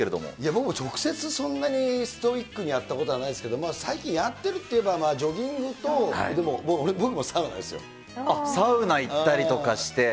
僕も直接、そんなにストイックにやったことはないですけど、最近やってるっていえばジョギンサウナ行ったりとかして。